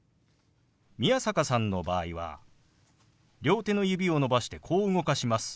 宮坂さんの場合は両手の指を伸ばしてこう動かします。